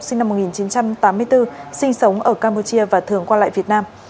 sinh năm một nghìn chín trăm tám mươi bốn sinh sống ở campuchia và thường qua lại việt nam